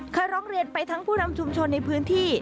เคยร้องเรียนไปทั้งผู้นำชุมชนในพื้นที่